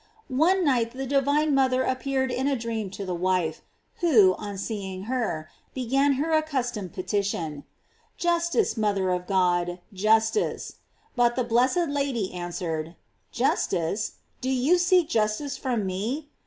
One night the divine mother appeared in a dream to the wife, who, on seeing her, began her accustomed petition: "Justice, mother of God, justice." But the blessed Lady answered: "Justice! do you seek justice from me?